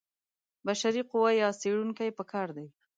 بشري قوه یا څېړونکي په کار دي.